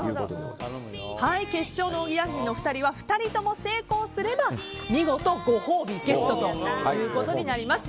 決勝のおぎやはぎのお二人は２人とも成功すれば見事、ご褒美ゲットとなります。